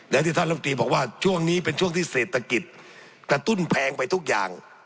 ที่ท่านลำตีบอกว่าช่วงนี้เป็นช่วงที่เศรษฐกิจกระตุ้นแพงไปทุกอย่าง